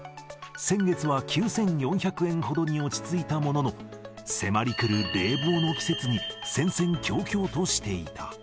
先月は９４００円ほどに落ち着いたものの、迫りくる冷房の季節に戦々恐々としていた。